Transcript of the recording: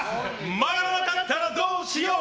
曲がらなかったらどうしよう。